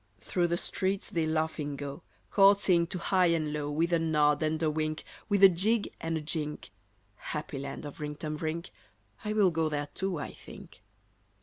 Through the streets they laughing go, Courtesying to high and low, With a nod, and a wink, With a jig, and a jink, Happy land of Rinktum Rink! I will go there too, I think.